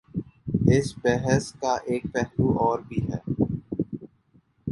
اس بحث کا ایک پہلو اور بھی ہے۔